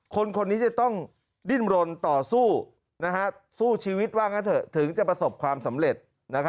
คนนี้จะต้องดิ้นรนต่อสู้สู้ชีวิตว่างั้นเถอะถึงจะประสบความสำเร็จ